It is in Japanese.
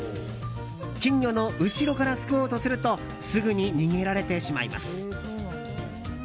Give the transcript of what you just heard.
金魚の後ろからすくおうとするとすぐに逃げられてしまいます。